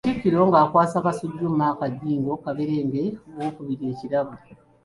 Katikkiro ng'akwasa Kasujju Mark Jjingo Kaberenge owookubiri ekirabo.